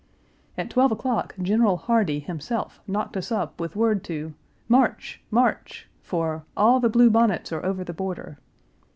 "At twelve o'clock General Hardee himself knocked us up with word to 'March! march!' for 'all the blue bonnets are over the border.'